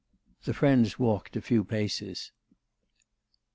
The friends walked a few paces.